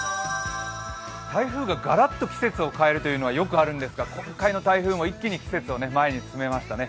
台風がガラッと季節を変えるというのはよくあるんですが、今回の台風も一気に季節を前に進めましたね。